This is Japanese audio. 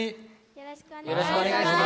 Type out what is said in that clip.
よろしくお願いします。